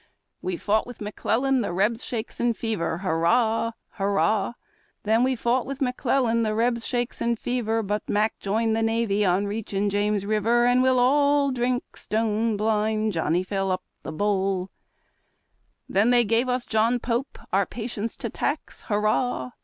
We fought with McClellan, the Rebs, shakes and fever. Hurrah! Hurrah! Then we fought with McClellan, the Rebs, shakes and fever. But Mac joined the navy on reaching James River, And we'll all drink, etc. Then they gave us John Pope, our patience to tax. Hurrah